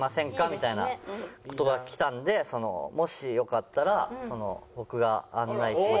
みたいな事がきたので「もしよかったら僕が案内しましょうか？」